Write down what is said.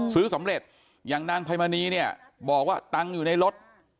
ซื้อสำเร็จอย่างนางไพมณีเนี่ยบอกว่าตังค์อยู่ในรถ